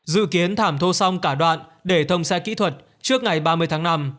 dự kiến thảm thu xong cả đoạn để thông xe kỹ thuật trước ngày ba mươi tháng năm